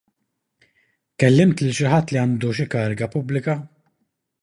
Kellimt lil xi ħadd li għandu xi kariga pubblika?